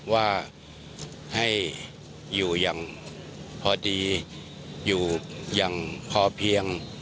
ว่าให้อยู่อย่างพอดีอยู่อย่างพอเพียง